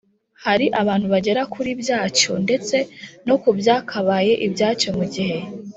hari abantu bagera kuri byacyo ndetse no ku byakabaye ibyacyo mu gihe